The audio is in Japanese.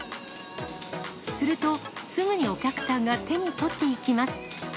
すると、すぐにお客さんが手に取っていきます。